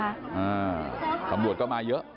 อ่าตำรวจก็มาเยอะ